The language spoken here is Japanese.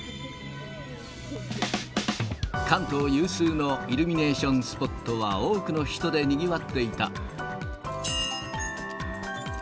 関東有数のイルミネーションスポットは多くの人でにぎわっていた。